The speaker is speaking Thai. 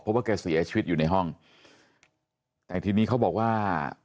เพราะว่าแกเสียชีวิตอยู่ในห้องแต่ทีนี้เขาบอกว่า